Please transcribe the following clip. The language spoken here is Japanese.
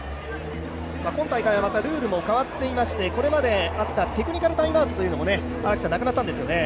今大会はまたルールも変わっていまして、これまであったテクニカルタイムアウトがなくなったんですよね。